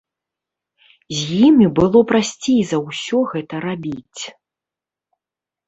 З імі было прасцей за ўсё гэта рабіць.